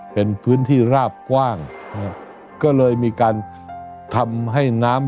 เป็นพื้นที่ราบกว้างก็เลยมีการทำให้น้ำ